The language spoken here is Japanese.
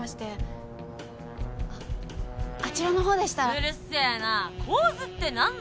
うるせえな構図って何なんだよ？